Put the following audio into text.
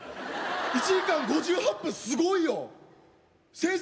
１時間５８分すごいよ先生